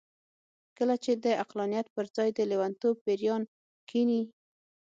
کله چې د عقلانيت پر ځای د لېونتوب پېريان کېني.